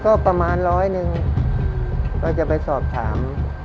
ก็ประมาณร้อยหนึ่งก็จะไปสอบถาม